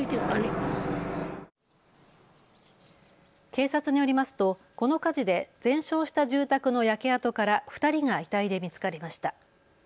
警察によりますと、この火事で全焼した住宅の焼け跡から２人が遺体で見つかりました。